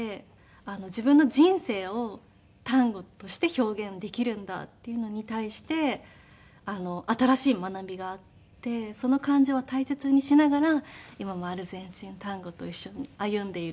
自分の人生をタンゴとして表現できるんだっていうのに対して新しい学びがあってその感情を大切にしながら今もアルゼンチンタンゴと一緒に歩んでいる途中です。